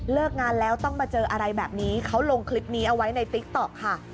งานแล้วต้องมาเจออะไรแบบนี้เขาลงคลิปนี้เอาไว้ในติ๊กต๊อกค่ะ